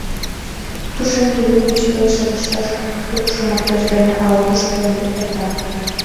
Пушеҥге вуй гыч велше лышташ кукшо мардеж дене ала-куш пӧрдын эрта.